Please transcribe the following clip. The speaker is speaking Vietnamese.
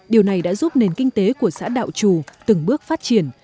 điều này đã giúp nền kinh tế của xã đạo trù từng bước phát triển